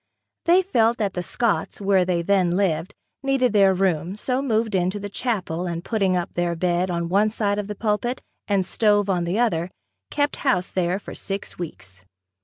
They felt that the Scotts, where they then lived, needed their room, so moved into the chapel and putting up their bed on one side of the pulpit and stove on the other, kept house there for six weeks.